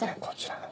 こちら。